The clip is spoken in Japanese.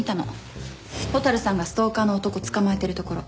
蛍さんがストーカーの男捕まえてるところ。